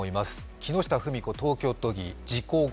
木下富美子東京都議、事故後